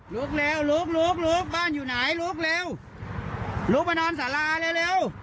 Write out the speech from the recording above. ลุกเร็วลุกลุกบ้านอยู่ไหนลุกเร็วลุกมานอนสาราเร็ว